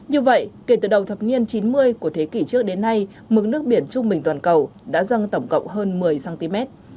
như vậy kể từ đầu thập niên chín mươi của thế kỷ trước đến nay mức nước biển trung bình toàn cầu đã dâng tổng cộng hơn một mươi cm